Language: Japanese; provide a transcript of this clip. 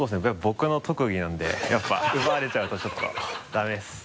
僕の特技なんでやっぱ奪われちゃうとちょっとダメです。